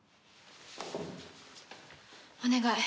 お願い。